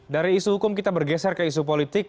dari isu hukum kita bergeser ke isu politik